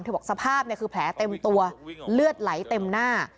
บอกสภาพเนี่ยคือแผลเต็มตัวเลือดไหลเต็มหน้า